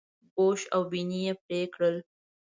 ګوش او بیني یې پرې کړل.